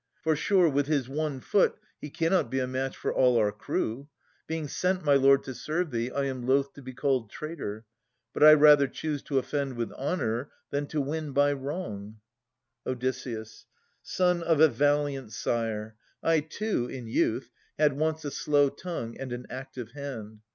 For, sure, with his one foot. He cannot be a match for all our crew. Being sent, my lord, to serve thee, I am loth To be called traitor. But I rather choose To offend with honour, than to win by wrong. Od. Son of a valiant sire, I, too, in youth. Had once a slow tongue and an active hand.